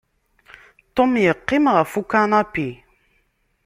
Tom yeqqim ɣef ukanapi.